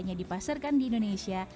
hanya dipasarkan di indonesia